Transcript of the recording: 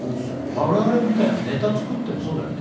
我々みたいなネタ作ってもそうだよね。